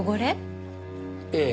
ええ。